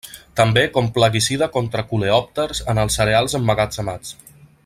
També com plaguicida contra coleòpters en els cereals emmagatzemats.